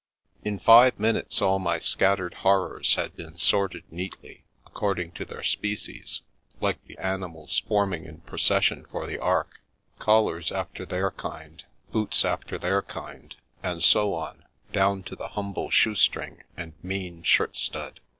In five minutes all my scattered horrors had been sorted neatly, according to their species, like the ani mals forming in procession for the ark; collars after their kind ; boots after their kind ; and so on, down to the humble shoestring and mean shirt stud.